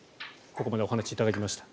ここまでお話しいただきました。